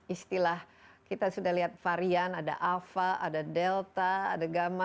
istilah kita sudah lihat varian ada alfa ada delta ada gamma